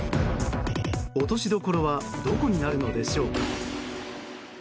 落としどころはどこになるのでしょうか。